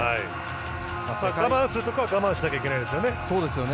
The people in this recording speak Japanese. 我慢するところは我慢しなきゃいけないですよね。